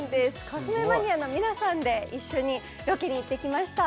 コスメマニアの皆さんで一緒にロケに行ってきました